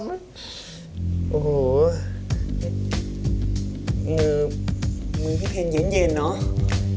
มือมือพี่เพ็ญเย็นเนาะ